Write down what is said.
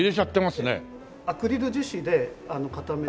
アクリル樹脂で固めて。